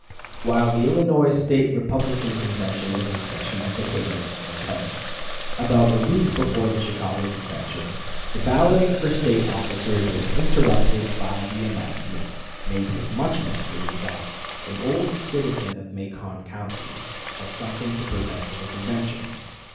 While the Illinois State Republican Convention was in session at Decatur (May 10), about a week before the Chicago Convention, the balloting for State officers was interrupted by the announcement, made with much mystery, that "an old citizen of Macon County" had something to present to the convention.